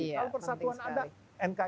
kalau persatuan ada